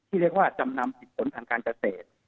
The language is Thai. เรียกว่าจำนำผิดผลทางการเกษตร